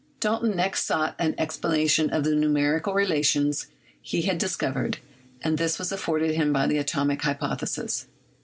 Dalton next sought an explanation of the numerical relations he had discovered, and this was afforded him by the atomic hypothesis.